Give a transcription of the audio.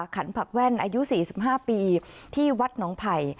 ขันผักแว่นอายุ๔๕ปีที่วัดหนองไผ่